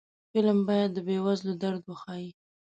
فلم باید د بې وزلو درد وښيي